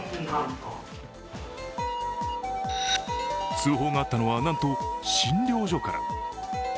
通報があったのは、なんと診療所から。